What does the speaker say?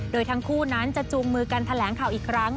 โดยทั้งคู่นั้นจะจูงมือกันแถลงข่าวอีกครั้ง